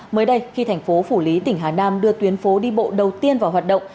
mới đây khi thành phố phủ lý tỉnh hà nam đưa tuyến phố đi bộ đầu tiên vào hoạt động